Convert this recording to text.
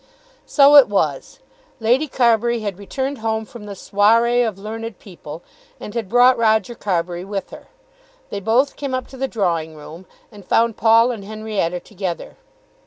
So it was. Lady Carbury had returned home from the soirée of learned people, and had brought Roger Carbury with her. They both came up to the drawing room and found Paul and Henrietta together.